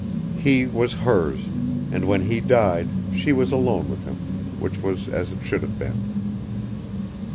He was hers, and when he died she was alone with him, which was as it should have been.